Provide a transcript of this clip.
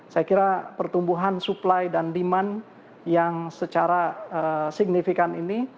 saya kira pertumbuhan supply dan demand yang secara signifikan ini